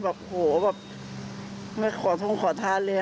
แบบโอ้โฮแบบไม่ขอทรงขอทานเลย